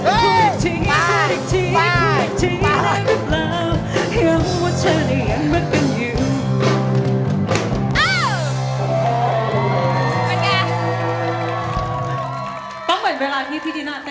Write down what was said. พูดอีกทีพูดอีกทีพูดอีกทีได้ไหมเปล่า